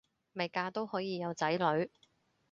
未嫁都可以有仔女